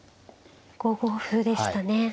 ５五歩でしたね。